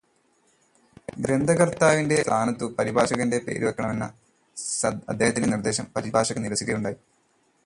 ഗ്രന്ഥകർത്താവിന്റെ സ്ഥാനത്തു് പരിഭാഷകന്റെ പേരു വെയ്ക്കണമെന്ന അദ്ദേഹത്തിന്റെ നിർദ്ദേശം പരിഭാഷകൻ നിരസിക്കുകയാണുണ്ടായത്.